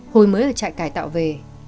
hồi mới ở trại cải tạo về